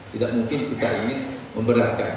tidak mungkin kita ingin memberatkan